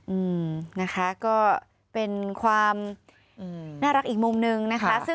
อืมนะคะก็เป็นความน่ารักอีกมุมนึงนะคะ